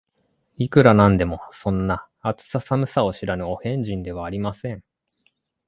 いくら何でも、そんな、暑さ寒さを知らぬお変人ではありません